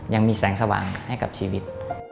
ยังมีแสงสว่างให้กับชีวิต